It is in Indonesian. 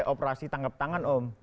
operasi tangkap tangan om